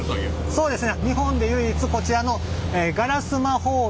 そうですね。